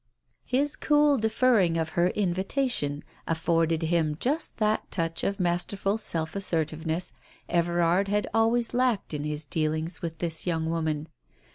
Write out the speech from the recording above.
" His cool deferring of her invitation afforded him just that touch of masterful self assertiveness Everard had always lacked in his dealings with this young woman.